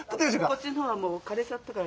こっちのほうはもう枯れちゃったから。